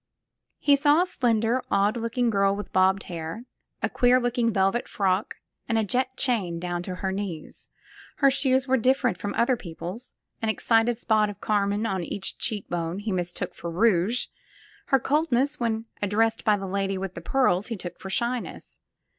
He saw a slender, odd looking girl with bobbed hair, a queer looking velvet frock and a jet chain down to her knees. Her shoes were different from other people's; an excited spot of carmine on each cheek bone he mistook for rouge ; her coldness when addressed by the lady with the pearls he took for shyness.